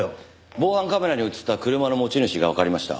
防犯カメラに映った車の持ち主がわかりました。